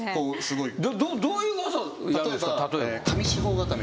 どういう技やるんすか？